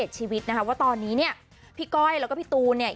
ชีวิตนะคะว่าตอนนี้เนี่ยพี่ก้อยแล้วก็พี่ตูนเนี่ย